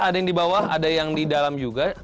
ada yang di bawah ada yang di dalam juga